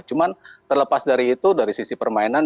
cuma terlepas dari itu dari sisi permainan